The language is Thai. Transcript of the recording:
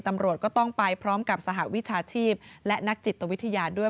ตำรวจก็ต้องไปพร้อมกับสหวิชาชีพและนักจิตวิทยาด้วย